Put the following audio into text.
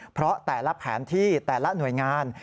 เพราะแต่ละแผนที่แต่ละหน่วยงาน